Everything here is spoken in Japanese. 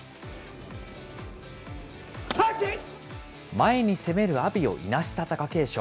前に攻める阿炎をいなした貴景勝。